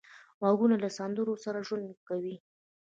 غوږونه له سندرو سره ژوند کوي